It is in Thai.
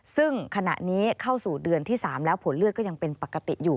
ซึ่งขณะนี้เข้าสู่เดือนที่๓แล้วผลเลือดก็ยังเป็นปกติอยู่